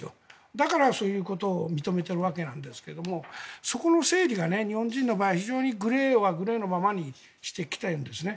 だからそういうことを認めているわけなんですがそこの整理が日本人の場合グレーはグレーのままにしてきているんですね。